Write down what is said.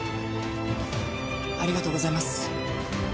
ありがとうございます。